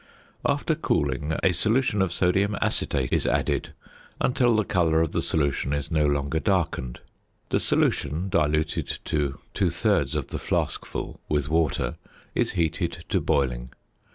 After cooling, a solution of sodium acetate is added until the colour of the solution is no longer darkened. The solution, diluted to two thirds of the flaskful with water, is heated to boiling.